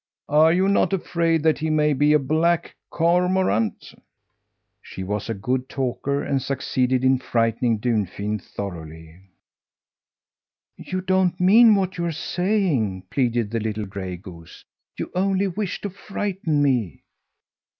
Are you not afraid that he may be a black cormorant?" She was a good talker and succeeded in frightening Dunfin thoroughly. "You don't mean what you are saying," pleaded the little gray goose. "You only wish to frighten me!"